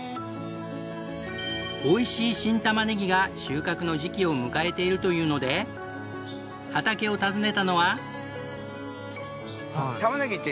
おいしい新たまねぎが収穫の時期を迎えているというので畑を訪ねたのは。